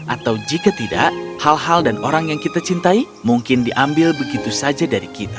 atau jika tidak hal hal dan orang yang kita cintai mungkin diambil begitu saja dari kita